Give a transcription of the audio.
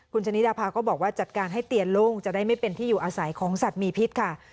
คุณชะนิดาภาก็บอกว่าจัดการให้เตียนโล่งจะได้ไม่เป็นที่อยู่อาศัยของสัตว์มีพิษค่ะ